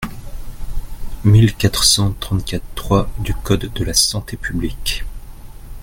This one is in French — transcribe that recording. mille quatre cent trente-quatre-trois du code de la santé publique.